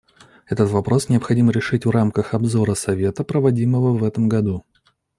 Этот вопрос необходимо решить в рамках обзора Совета, проводимого в этом году.